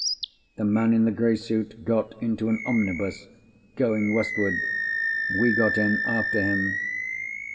The man in the grey suit got into an omnibus, going westward. We got in after him.